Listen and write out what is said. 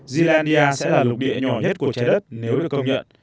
zilandia sẽ là lục địa nhỏ nhất của trái đất nếu được công nhận